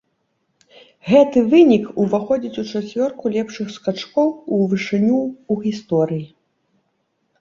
Гэты вынік уваходзіць у чацвёрку лепшых скачкоў у вышыню ў гісторыі.